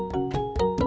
gak ada apa apa